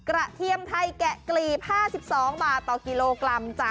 เทียมไทยแกะกลีบ๕๒บาทต่อกิโลกรัมจ้ะ